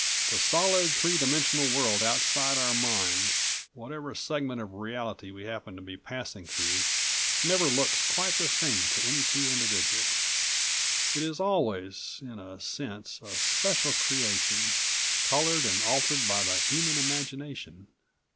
The solid, three dimensional world outside our minds, whatever segment of reality we happen to be passing through, never looks quite the same to any two individuals. It is always, in a sense, a special creation, colored and altered by the human imagination.